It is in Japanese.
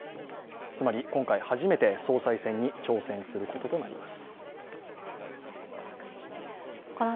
つまり今回、初めて総裁選に挑戦することとなります。